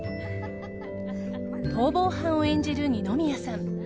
逃亡犯を演じる二宮さん